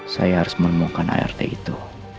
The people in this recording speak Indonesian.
saya harus menemukan art itu